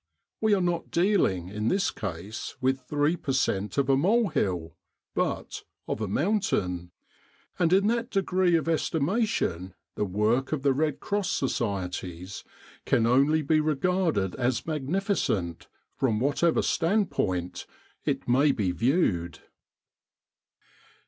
We are not dealing, in this case, with three per cent, of a molehill, but of a mountain; and in that degree of estimation the work of the Red Cross Societies can only be regarded as magnificent from whatever standpoint it may be viewed.